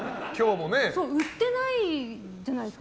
売ってないんじゃないですか？